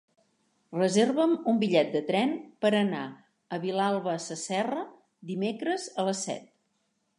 Reserva'm un bitllet de tren per anar a Vilalba Sasserra dimecres a les set.